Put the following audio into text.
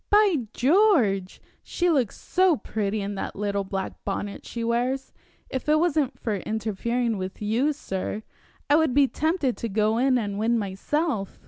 By George! she looks so pretty in that little black bonnet she wears, if it wasn't for interfering with you, sir, I would be tempted to go in and win myself."